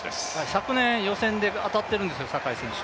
昨年予選で当たっているんですよ、坂井選手。